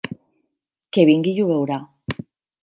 Que vingui i ho veurà!